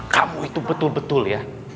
kamu itu betul betul ya